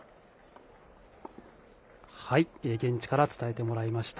現地から伝えてもらいました。